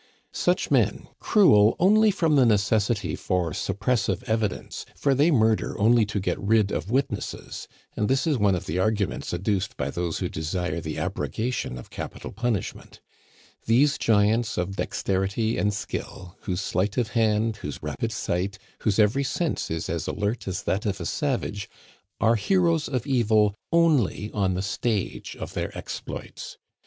Such men, cruel only from the necessity for suppressive evidence, for they murder only to get rid of witnesses (and this is one of the arguments adduced by those who desire the abrogation of capital punishment), these giants of dexterity and skill, whose sleight of hand, whose rapid sight, whose every sense is as alert as that of a savage, are heroes of evil only on the stage of their exploits.